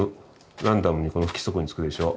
ランダムに不規則につくでしょ？